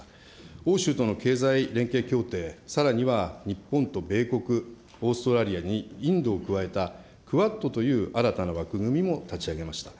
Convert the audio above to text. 欧州との経済連携協定、さらには日本と米国、オーストラリアにインドを加えたＱＵＡＤという新たな枠組みも立ち上げました。